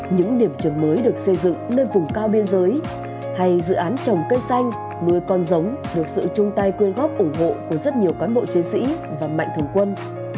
những điểm trường mới được xây dựng nơi vùng cao biên giới hay dự án trồng cây xanh nuôi con giống được sự chung tay quyên góp ủng hộ của rất nhiều cán bộ chiến sĩ và mạnh thường quân